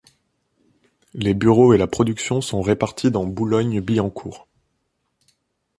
Les bureaux et la production sont répartis dans Boulogne-Billancourt.